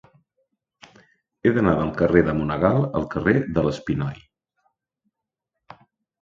He d'anar del carrer de Monegal al carrer de l'Espinoi.